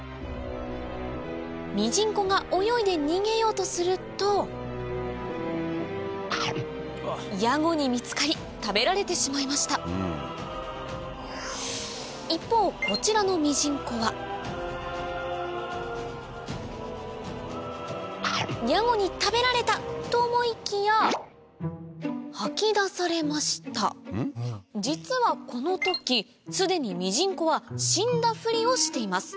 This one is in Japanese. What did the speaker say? ミジンコが泳いで逃げようとするとヤゴに見つかり食べられてしまいました一方こちらのミジンコは「ヤゴに食べられた！」と思いきや吐き出されました実はこの時既にミジンコは死んだふりをしています